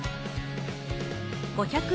５００円